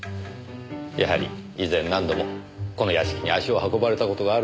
やはり以前何度もこの屋敷に足を運ばれた事があるんですね。